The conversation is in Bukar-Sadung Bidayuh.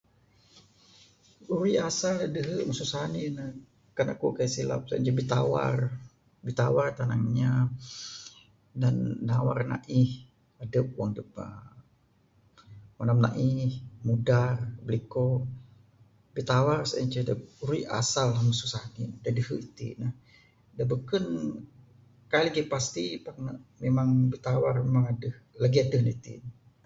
Urik asal da masu sanik ne da dehu' kan akuk kaik silap en ce bitawar. Bitawar tanang inya. Nan nawar na'ih adup wang adup uhh mandam na'ih, mudar, bilikok. Bitawar sien ce urik asal masu sani'. Da dehu' iti' ne. Da bekun, kaik lagik pasti, pak ne nemang bitawar nemang aduh. Lagik aduh ne iti' ne.